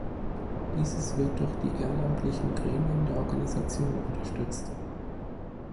Dieses wird durch die ehrenamtlichen Gremien der Organisation unterstützt.